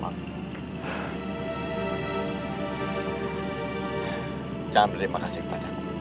jangan berterima kasih kepadamu